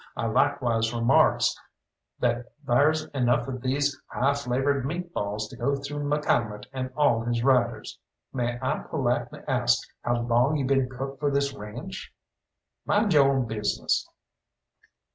I likewise remarks that thar's enough of these high flavored meat balls to go through McCalmont and all his riders. May I politely ask how long you been cook for this ranche?" "Mind your own business."